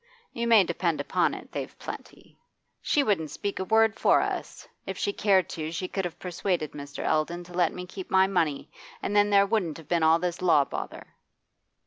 You may depend upon it, they've plenty. She wouldn't speak a word for us; if she cared to, she could have persuaded Mr. Eldon to let me keep my money, and then there wouldn't have been all this law bother.